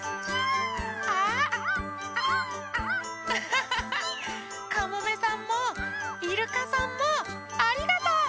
ハハハハかもめさんもイルカさんもありがとう！